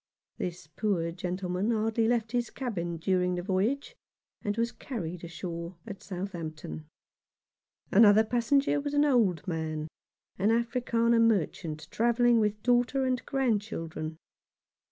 This poor gentleman hardly left his cabin during the voyage, and was carried on shore at Southampton. Another passenger was an old man, an Afrikander merchant, travelling with daughter and grandchildren.